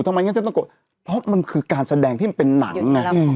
งั้นฉันต้องโกรธเพราะมันคือการแสดงที่มันเป็นหนังไง